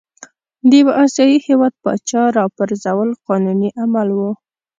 د یوه آسیايي هیواد پاچا را پرزول قانوني عمل وو.